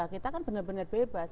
kita kan benar benar bebas